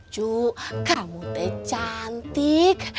cu kamu tuh cantik